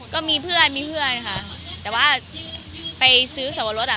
ก็มีเพื่อนมีเพื่อนค่ะแต่ว่าไปซื้อสวรรสอ่ะ